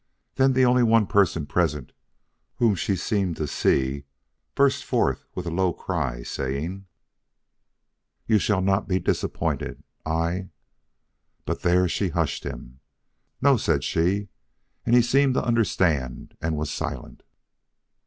Then the only person present whom she seemed to see burst forth with a low cry, saying: "You shall not be disappointed. I " But there she hushed him. "No," said she. And he seemed to understand and was silent.